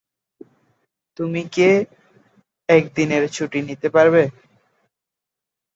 তুমি কে একদিনের ছুটি নিতে পারবে?